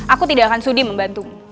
aku tidak akan sudi membantumu